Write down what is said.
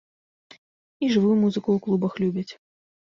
І жывую музыку ў клубах любяць.